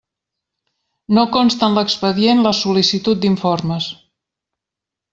No consta en l'expedient la sol·licitud d'informes.